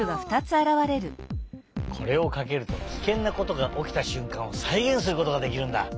これをかけるとキケンなことがおきたしゅんかんをさいげんすることができるんだ！